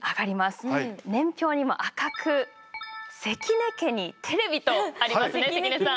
年表にも赤く「関根家にテレビ」とありますね関根さん。